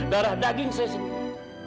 darah daging saya sendiri